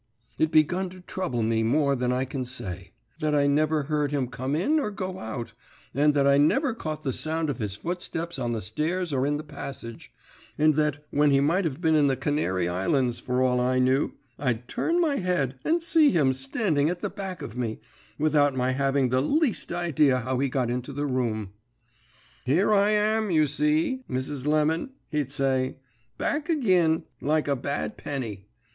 "It begun to trouble me more than I can say, that I never heard him come in or go out, and that I never caught the sound of his footsteps on the stairs or in the passage, and that, when he might have been in the Canary Islands for all I knew, I'd turn my head and see him standing at the back of me, without my having the least idea how he got into the room. "'Here I am, you see, Mrs. Lemon,' he'd say; 'back agin, like a bad penny.